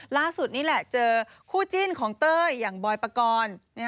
ล่าสุดนี่แหละเจอคู่จิ้นของเต้ยอย่างบอยปกรณ์